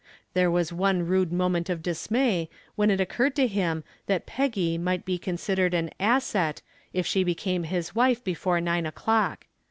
There was one rude moment of dismay when it occurred to him that Peggy might be considered an "asset" if she became his wife before nine o'clock.